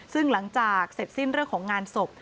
ซึ่งหลังจากเสร็จสิ้นเรื่องของงานศพ